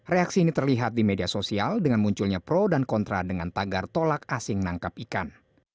reaksi ini terlihat di media sosial dengan munculnya pro dan kontra dengan tagar tolak asing nangkap ikan